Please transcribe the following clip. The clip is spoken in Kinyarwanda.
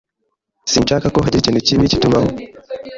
Sinshaka ko hagira ikintu kibi kitubaho.